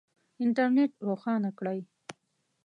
انټرنېټ روښانه کړئ